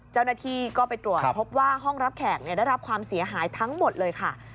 เจ้าหน้าที่ก็ไปตรวจพบว่าห้องรับแขกได้รับความเสียหายทั้งหมดเลยค่ะ